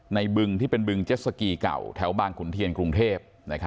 บึงที่เป็นบึงเจ็ดสกีเก่าแถวบางขุนเทียนกรุงเทพ